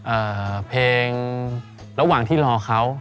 เอ่อเพลงระหว่างที่รอเขา